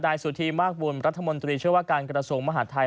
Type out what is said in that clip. สุธีมากบุญรัฐมนตรีเชื่อว่าการกระทรวงมหาดไทย